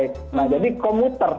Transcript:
nah jadi komuter